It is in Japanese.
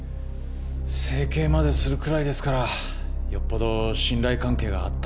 整形までするくらいですからよっぽど信頼関係があったんでしょうね。